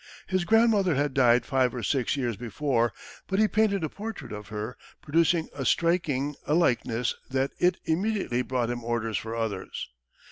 His grandmother had died five or six years before, but he painted a portrait of her, producing so striking a likeness that it immediately brought him orders for others.